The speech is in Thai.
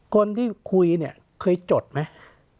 คนที่คุยเนี่ยเคยจดไหม